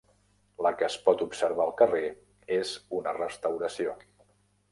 La que es pot observar al carrer és una restauració.